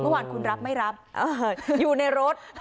เมื่อวานคุณรับไม่รับอยู่ในรถ